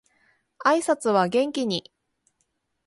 挨拶は元気に